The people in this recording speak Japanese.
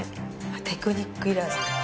テクニックいらず。